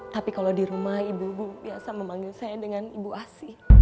tapi kalau di rumah ibu ibu biasa memanggil saya dengan ibu asi